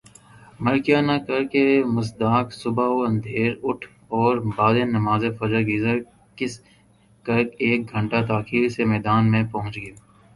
مر کیا نا کر کے مصداق صبح ہ اندھیر اٹھ اور بعد نماز فجر گیرز کس کر ایک گھنٹہ تاخیر سے میدان میں پہنچ گ